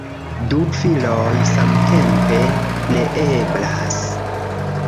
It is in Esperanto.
Du viroj samtempe, neeblas